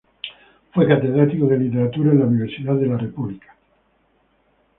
Fue catedrático de Literatura en la Universidad de la República.